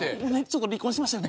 離婚しましたよね。